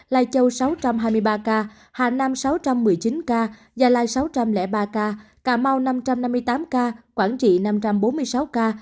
lai châu một sáu trăm hai mươi ba ca hà nam một sáu trăm một mươi chín ca gia lai một sáu trăm linh ba ca cà mau một năm trăm năm mươi tám ca quảng trị một năm trăm bốn mươi sáu ca